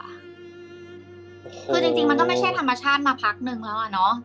คือจริงมันก็ไม่ใช่ธรรมชาติมาพักนึงแล้วอะเนาะ